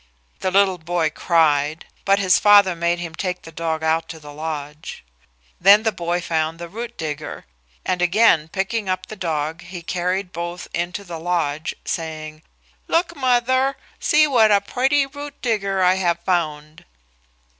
The little boy cried, but his father made him take the dog out of the lodge. Then the boy found the root digger, and again picking up the dog, he carried both into the lodge, saying, "Look, mother; see what a pretty root digger I have found."